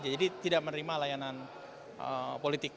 jadi tidak menerima layanan politik